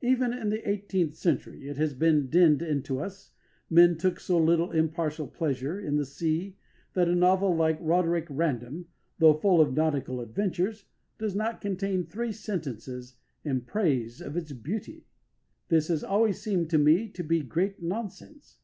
Even in the eighteenth century, it has been dinned into us, men took so little impartial pleasure in the sea that a novel like Roderick Random, though full of nautical adventures, does not contain three sentences in praise of its beauty. This has always seemed to me to be great nonsense.